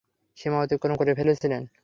সীমা অতিক্রম করে ফেলেছিলেন।